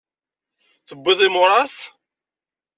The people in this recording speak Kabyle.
Tewwiḍ imuras?